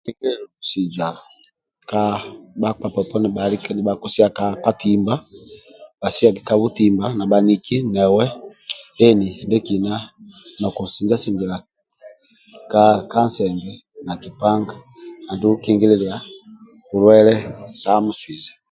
Musuija bhakpa bhoponi bhalie nibhakisia ka katimba bhasiage ka butimba na bhaniki ne newe deni ndei kina nokusinjilia kansenge na kipanga andulu kingililia bulwaye sa musuija